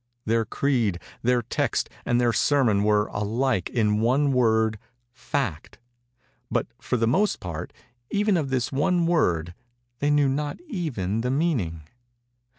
Their creed, their text and their sermon were, alike, the one word 'fact'—but, for the most part, even of this one word, they knew not even the meaning.